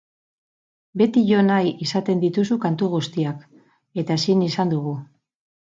Beti jo nahi izaten dituzu kantu guztiak, eta ezin izan dugu.